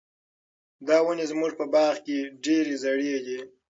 دا ونې زموږ په باغ کې ډېرې زړې دي.